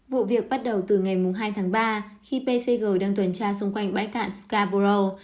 vụ việc bắt đầu từ ngày hai tháng ba khi pcg đang tuần tra xung quanh bãi cạn scaburrou